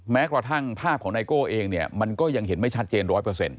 แม้กระทั่งภาพของไนโก้เองเนี่ยมันก็ยังเห็นไม่ชัดเจนร้อยเปอร์เซ็น